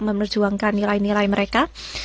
memerjuangkan nilai nilai mereka